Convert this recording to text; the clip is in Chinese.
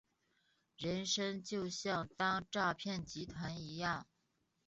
人生就像当诈骗集团一样